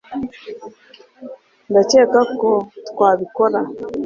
Ndakeka ko twabikora